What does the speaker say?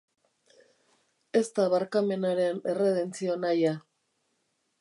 Ez da barkamenaren erredentzio nahia.